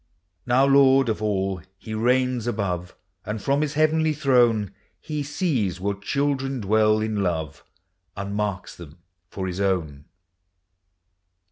Now, Lord of all, he reigns above; And from his heavenly throne, He sees what children dwell in love, And marks them for his own.